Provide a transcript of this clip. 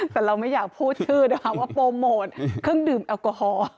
แต่เราไม่อยากพูดชื่อเธอฮะว่าโปโมช์เครื่องดื่มแอกออคอ